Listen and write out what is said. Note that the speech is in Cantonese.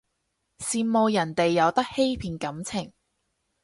羨慕人哋有得欺騙感情